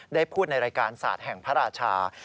ได้พูดในรายการศาสตร์แห่งพระราชา